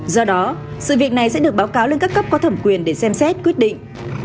do đó sự việc này sẽ được báo cáo lên các cấp có thẩm quyền để xem xét quyết định